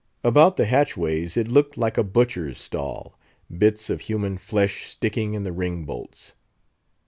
About the hatchways it looked like a butcher's stall; bits of human flesh sticking in the ring bolts.